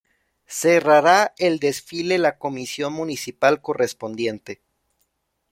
Cerrará el desfile la Comisión Municipal correspondiente.